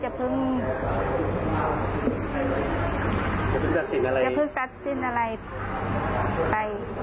จะพึ่งตัดสินอะไรจะพึ่งตัดสินอะไรไป